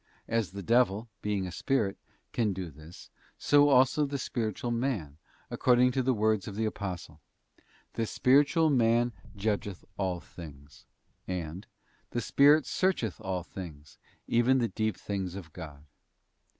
As the devil, being a spirit, can do this, so also the spiritual man, accord ing to the words of the Apostle: 'The spiritual man judgeth all things,' { and 'the Spirit searcheth all things, even the deep things of God.